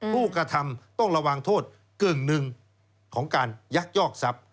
ผู้กระทำต้องระวังโทษกึ่งหนึ่งของการยักยอกทรัพย์